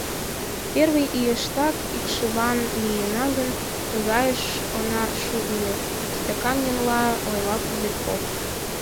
— Первый ийыштак икшыван лийына гын, тыгайыш она шу ыле, — титакан еҥла ойла Пузырьков.